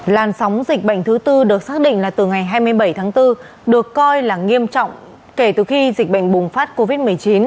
làn sóng dịch bệnh thứ tư được xác định là từ ngày hai mươi bảy tháng bốn được coi là nghiêm trọng kể từ khi dịch bệnh bùng phát covid một mươi chín